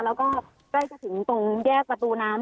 แล้วก็ไปถึงตรงแยกประตูน้ำ